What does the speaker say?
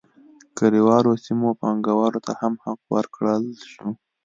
کلیوالو سیمو پانګوالو ته هم حق ورکړل شو.